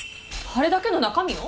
あれだけの中身を？